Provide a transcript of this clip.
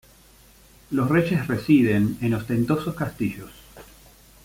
Los reyes residen en ostentosos castillos.